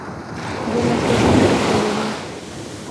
De la segunda categoría.